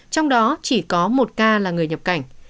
trong đó chỉ có một ca là người nhập cảnh